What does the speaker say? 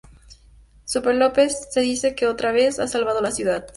Superlópez se dice que otra vez ha salvado a la ciudad.